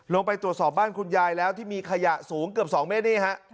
ลงไปตรวจสอบบ้านคุณยายแล้วที่มีขยะสูงเกือบ๒เมตรนี่ฮะ